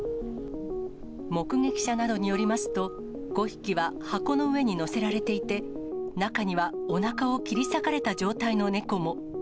目撃者などによりますと、５匹は箱の上に乗せられていて、中にはおなかを切り裂かれた状態の猫も。